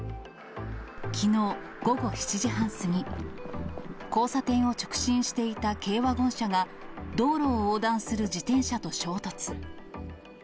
きのう午後７時半過ぎ、交差点を直進していた軽ワゴン車が、道路を横断する自転車と衝突。